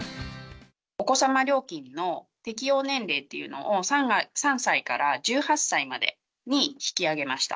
お子様料金の適用年齢っていうのを、３歳から１８歳までに引き上げました。